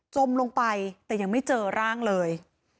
จมลงไปแต่ยังไม่เจอร่างเลย